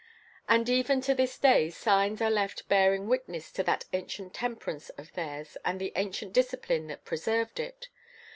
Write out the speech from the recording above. And even to this day signs are left bearing witness to that ancient temperance of theirs and the ancient discipline that preserved it.